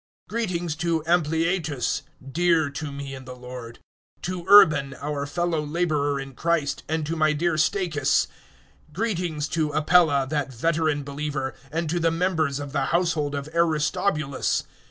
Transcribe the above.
016:008 Greetings to Ampliatus, dear to me in the Lord; 016:009 to Urban, our fellow labourer in Christ, and to my dear Stachys. 016:010 Greetings to Apella, that veteran believer; and to the members of the household of Aristobulus.